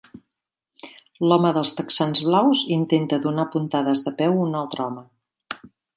L'home dels texans blaus intenta donar puntades de peu a un altre home.